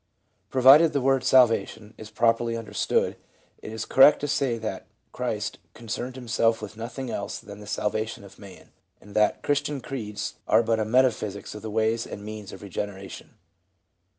Pro vided the word "salvation" is properly understood, it is cor rect to say that Christ concerned himself with nothing else than the salvation of man ; and that Christian creeds are but a metaphysics of the ways and means of regeneration.